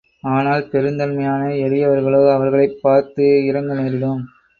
ஆனால் பெருந்தன்மையான எளியவர்களோ அவர்களைப் பார்த்து இரங்க நேரிடும்.